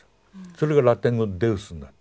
それがラテン語でデウスになった。